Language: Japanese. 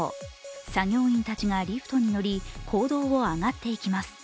作業員たちがリフトに乗り、坑道を上がっていきます。